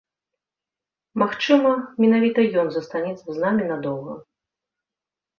Магчыма, менавіта ён застанецца з намі надоўга.